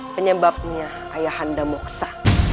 penyebabnya ayah anda moksa